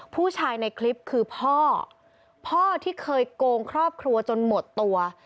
ผู้ชายในคลิปคือพ่อพ่อที่เคยโกงครอบครัวจนหมดตัว